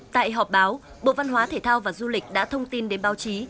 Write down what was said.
tại họp báo bộ văn hóa thể thao và du lịch đã thông tin đến báo chí